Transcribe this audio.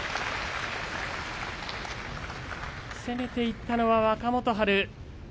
攻めていったのは若元春。